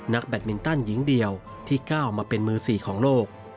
แบตมินตันหญิงเดียวที่ก้าวมาเป็นมือ๔ของโลก